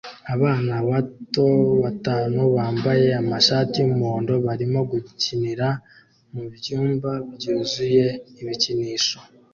Abana bato batanu bambaye amashati yumuhondo barimo gukinira mubyumba byuzuye ibikinisho